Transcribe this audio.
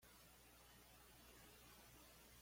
El coro es utilizado como nave y el ábside como presbiterio.